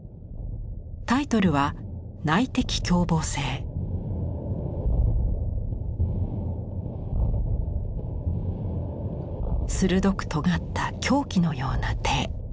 タイトルは鋭くとがった凶器のような手。